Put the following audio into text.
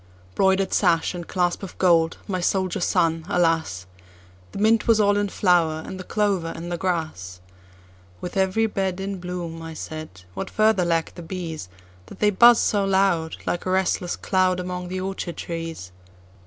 Broider'd sash and clasp of gold, my soldier son, alas! The mint was all in flower, and the clover in the grass:"With every bedIn bloom," I said,"What further lack the bees, That they buzz so loud, Like a restless cloud, Among the orchard trees?"